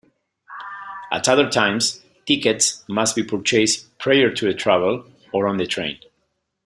At other times, tickets must be purchased prior to travel or on the train.